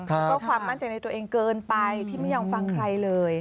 ก็ความมั่นใจในตัวเองเกินไปที่ไม่ยอมฟังใครเลย